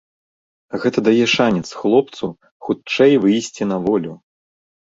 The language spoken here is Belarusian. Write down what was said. Гэта дае шанец хлопцу хутчэй выйсці на волю.